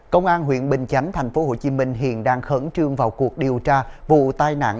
công an huyện bình chánh tp hcm hiện đang khẩn trương vào cuộc điều tra vụ tai nạn